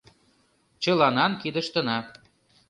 Чыланан кидыштына